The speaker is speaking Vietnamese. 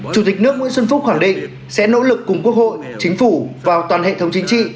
chủ tịch nước nguyễn xuân phúc khẳng định sẽ nỗ lực cùng quốc hội chính phủ và toàn hệ thống chính trị